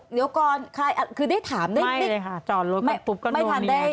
เดี๋ยวก่อนใครอ่ะคือได้ถามได้ไม่เลยค่ะจอดรถกับปุ๊บก็โน้นไม่ผ่านได้